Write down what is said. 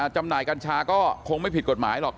จำหน่ายกัญชาก็คงไม่ผิดกฎหมายหรอก